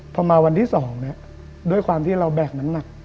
พอมาวันที่๒ด้วยความที่เราแบกน้ำหนัก